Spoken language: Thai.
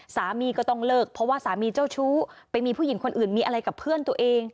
สามีก็ต้องเลิกเพราะว่าสามีเจ้าชู้ไปมีผู้หญิงคนอื่นมีอะไรกับเพื่อนตัวเอง